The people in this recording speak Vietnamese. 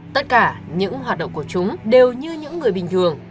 tất cả những hoạt động của chúng đều như những người bình thường